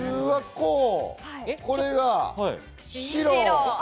これが白。